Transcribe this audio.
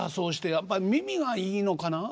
やっぱ耳がいいのかなあ。